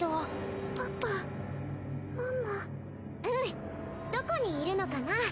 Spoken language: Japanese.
うんどこにいるのかな？